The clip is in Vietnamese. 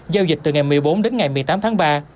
giao dịch từ ngày một mươi bốn đến ngày một mươi tám tháng ba